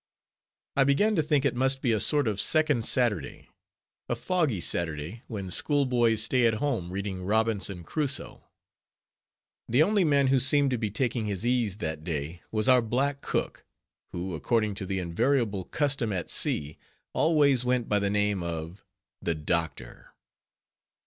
I began to think it must be a sort of second Saturday; a foggy Saturday, when school boys stay at home reading Robinson Crusoe. The only man who seemed to be taking his ease that day, was our black cook; who according to the invariable custom at sea, always went by the name of _the doctor.